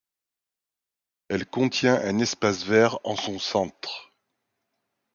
Elle contient un espace vert en son centre.